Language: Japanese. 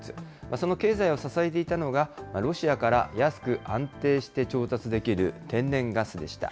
その経済を支えていたのが、ロシアから安く安定して調達できる天然ガスでした。